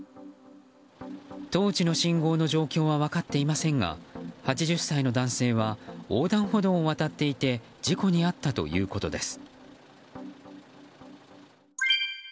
当時の信号の状況は分かっていませんが８０歳の男性は横断歩道を渡っていて事故に遭ったということです。